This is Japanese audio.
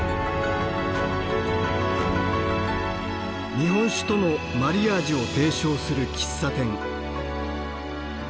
日本酒とのマリアージュを提唱する喫茶店。